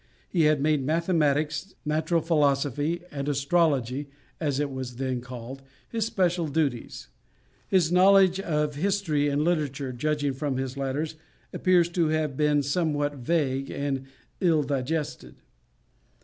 He had made mathematics, natural philosophy, and astrology (as it was then called) his special studies. His knowledge of history and literature, judging from his letters, appears to have been somewhat vague and ill digested.